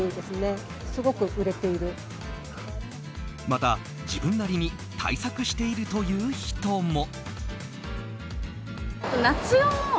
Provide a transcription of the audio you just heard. また、自分なりに対策しているという人も。